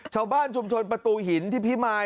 ชาวบ้านชุมชนประตูหินที่พิมาย